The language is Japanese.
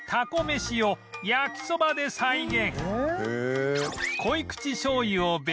めしを焼きそばで再現